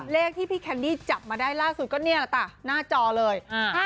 เลขที่พี่แคนดี้จับมาได้ล่าสุดก็นี่แหละค่ะหน้าจอเลย